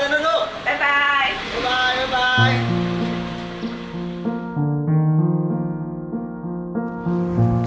บ๊ายบาย